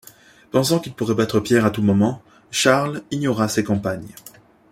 Pensant qu'il pourrait battre Pierre à tout moment, Charles ignora ces campagnes.